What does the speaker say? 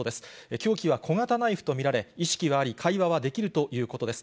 凶器は小型ナイフと見られ、意識はあり、会話はできるということです。